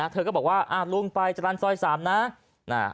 เธอก็บอกว่าลุงไปจรรย์ซอย๓นะ